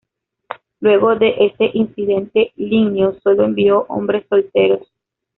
Luego de ese incidente, Linneo solo envió hombres solteros.